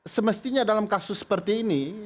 semestinya dalam kasus seperti ini